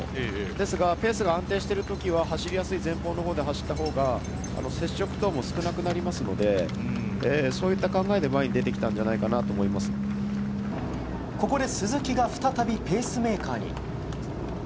ですがペースが安定している時は走りやすい前方のほうで走ったほうが接触等も少なくなりますのでそういった考えで前に出てきたんじゃないかなとここで鈴木が再びペースメーカーに。